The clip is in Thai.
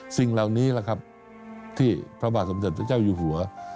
สิ่งเหล่านี้แหละครับที่พระบาทสมเด็จพระเจ้าอยู่หัว